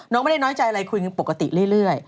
น้องไม่ได้น้อยใจอะไรคุยปกติเรื่อย